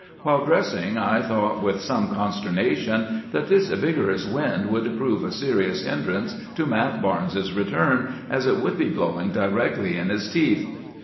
While dressing I thought, with some consternation, that this vigorous wind would prove a serious hindrance to Mat Barnes's return, as it would be blowing directly in his teeth.